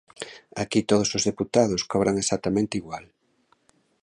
Aquí todos os deputados cobran exactamente igual.